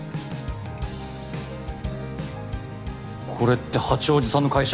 これって八王子さんの会社？